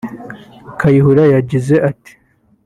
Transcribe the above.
Kayihura yagize ati